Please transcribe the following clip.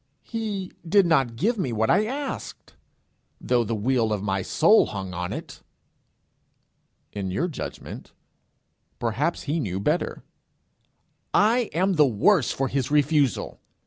'He did not give me what I asked, though the weal of my soul hung on it.' In your judgment. Perhaps he knew better. 'I am the worse for his refusal.